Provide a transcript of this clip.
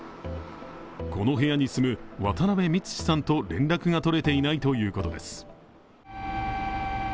この部屋に住む渡辺三士さんと連絡が取れていないということです。